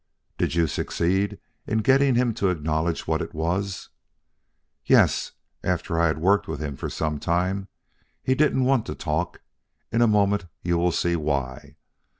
"Did you succeed in getting him to acknowledge what it was?" "Yes, after I had worked with him for some time. He didn't want to talk. In a moment you will see why.